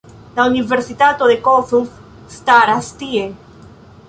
La Universitato Kossuth staras tie.